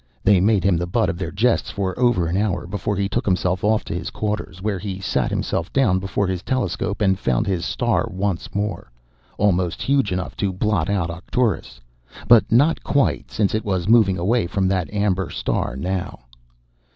They made him the butt of their jests for over an hour before he took himself off to his quarters, where he sat himself down before his telescope and found his star once more, almost huge enough to blot out Arcturus, but not quite, since it was moving away from that amber star now.